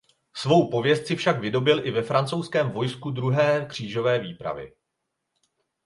Svou pověst si však vydobyl i ve francouzském vojsku druhé křížové výpravy.